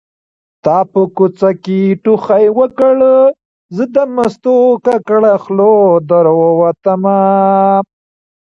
تا په کوڅه کې ټوخی وکړ زه د مستو ککړه خوله در ووتمه